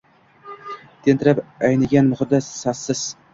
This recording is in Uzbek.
Tentirab aynigan muhitda sassiz